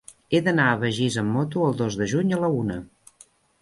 He d'anar a Begís amb moto el dos de juny a la una.